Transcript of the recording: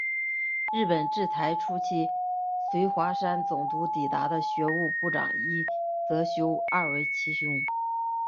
日本治台初期随桦山总督抵台的学务部长伊泽修二为其兄。